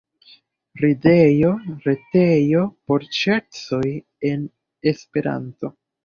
Ridejo, retejo por ŝercoj en Esperanto.